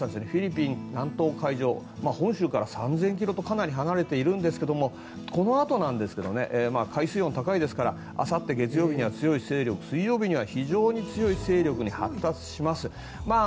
フィリピン南東海上本州から３０００ｋｍとかなり離れているんですがこのあとなんですが海水温が高いですからあさって月曜日には強い勢力水曜日には非常に強い勢力に発達します。